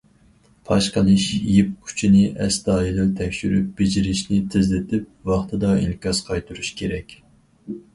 پاش قىلىش يىپ ئۇچىنى ئەستايىدىل تەكشۈرۈپ، بېجىرىشنى تېزلىتىپ، ۋاقتىدا ئىنكاس قايتۇرۇش كېرەك.